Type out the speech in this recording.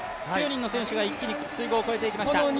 ９人の選手が一気に水濠を越えていきました。